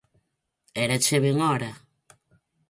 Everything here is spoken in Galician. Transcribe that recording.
Érache ben hora.